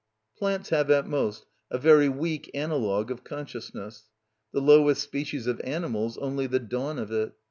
Plants have at most a very weak analogue of consciousness; the lowest species of animals only the dawn of it.